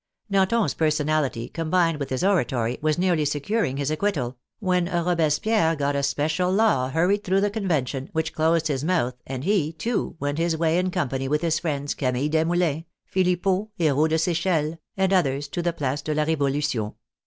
Danton's personality, combined with his oratory, was nearly securing his ac quittal, when Robespierre got a special law hurried through the Convention, which closed his mouth, and he, too, went his way in company with his friends Camilla Desmoulins, Phillipeaux, Herault De Sechelles, and others, to the Place de la Revolution.